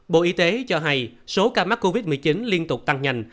bộ y tế cho hay số ca mắc covid một mươi chín liên tục tăng nhanh